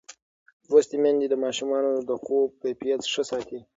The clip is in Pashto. لوستې میندې د ماشومانو د خوب کیفیت ښه ساتي.